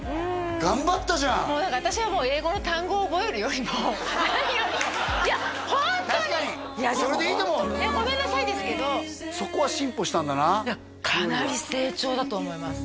もうだから私は英語の単語を覚えるよりも何よりもいやホントに確かにそれでいいと思うごめんなさいですけどそこは進歩したんだないやかなり成長だと思います